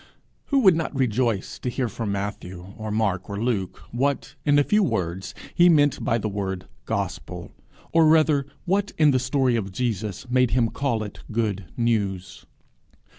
Who would not rejoice to hear from Matthew, or Mark, or Luke, what, in a few words, he meant by the word gospel or rather, what in the story of Jesus made him call it good news!